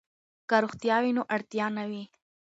که روغتیا وي نو اړتیا نه وي.